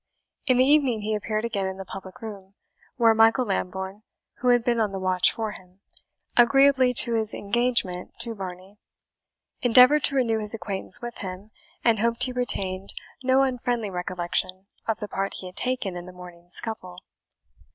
In the evening he appeared again in the public room, where Michael Lambourne, who had been on the watch for him, agreeably to his engagement to Varney, endeavoured to renew his acquaintance with him, and hoped he retained no unfriendly recollection of the part he had taken in the morning's scuffle.